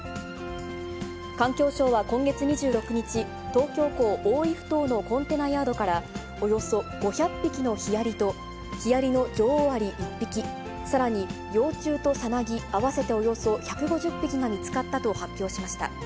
環境省は今月２６日、東京港大井ふ頭のコンテナヤードから、およそ５００匹のヒアリとヒアリの女王アリ１匹、さらに幼虫とさなぎ、合わせておよそ１５０匹が見つかったと発表しました。